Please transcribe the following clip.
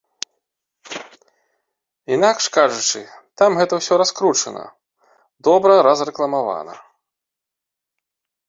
Інакш кажучы, там гэта ўсё раскручана, добра разрэкламавана.